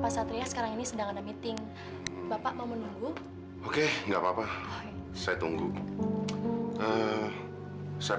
pak satria sekarang ini sedang ada meeting bapak mau menunggu oke enggak apa apa saya tunggu saya